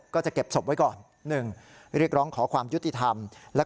ก็จะเก็บศพไว้ก่อน๑ขอความยุติธรรม